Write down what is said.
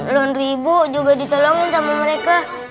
belondri ibu juga ditolongin sama mereka